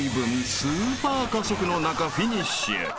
スーパー加速の中フィニッシュ］